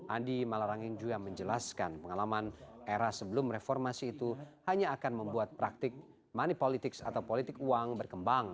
andi malaranging juga menjelaskan pengalaman era sebelum reformasi itu hanya akan membuat praktik money politics atau politik uang berkembang